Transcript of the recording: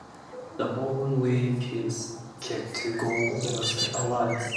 The following week he kicked two goals against the Allies.